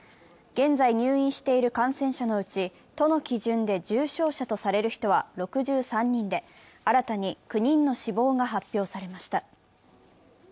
現在入院している感染者のうち都の基準で重症者とされる人は６３人で新たに９人の死亡が発表されました。